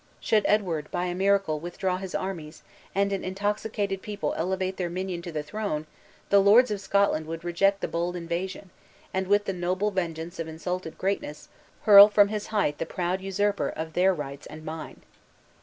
Should Edward, by a miracle, withdraw his armies, and an intoxicated people elevate their minion to the throne, the lords of Scotland would reject the bold invasion and, with the noble vengeance of insulted greatness, hurl from his height the proud usurper of their rights and mine."